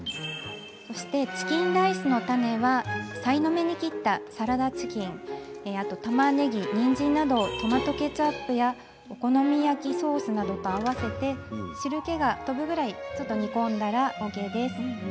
そしてチキンライスのタネはさいの目に切った、サラダチキンたまねぎ、にんじんなどをトマトケチャップやお好み焼きソースなどと合わせて汁けが飛ぶくらい煮込んだらＯＫです。